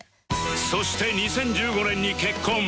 そして２０１５年に結婚